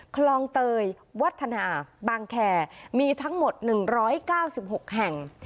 คลองเตยวัฒนาบางแข่มีทั้งหมดหนึ่งร้อยเก้าสิบหกแห่ง